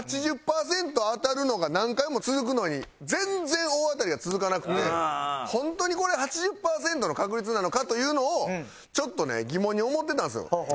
８０％当たるのが何回も続くのに全然大当たりが続かなくて本当にこれ８０％の確率なのかというのをちょっとね疑問に思ってたんですよ昔から。